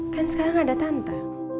kan sekarang ada tante